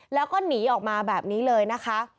แล้วก็หนีออกมาแบบนี้เลยนะคะ